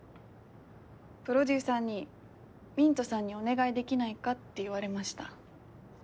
プロデューサーにミントさんにお願いできないかって言われました。